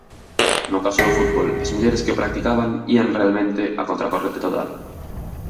No caso do fútbol, as mulleres que o practicaban ían realmente a contracorrente total.